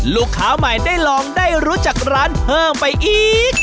ลูกค้าใหม่ได้ลองได้รู้จักร้านเพิ่มไปอีก